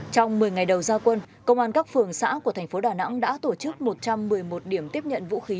trong một mươi ngày đầu gia quân công an các phường xã của thành phố đà nẵng đã tổ chức một trăm một mươi một điểm tiếp nhận vũ khí